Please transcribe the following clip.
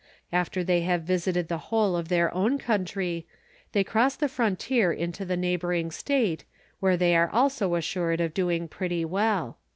After they have visited the whole of their own country, they cross the frontier into the neighboring State, where they are also assured of doing pretty well."